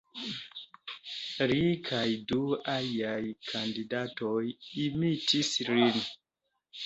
Li kaj du aliaj kandidatoj imitis lin.